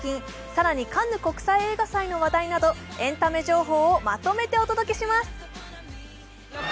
更にカンヌ国際映画祭の話題などエンタメ情報をまとめてお届けします。